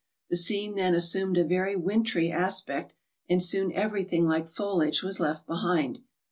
The scene then assumed a very wintry aspect, and soon everything like foliage was left behind.